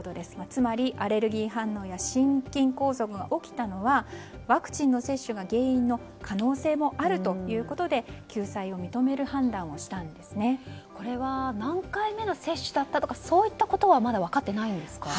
つまり、アレルギー反応や心筋梗塞が起きたのはワクチンの接種が原因の可能性もあるということでこれは何回目の接種だったとかそういったことはまだ分かってないんですか？